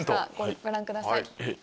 ご覧ください。